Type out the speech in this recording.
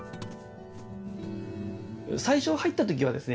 最初入ったときはですね